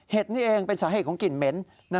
นี่เองเป็นสาเหตุของกลิ่นเหม็น